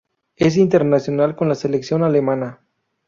Es internacional con la selección alemana.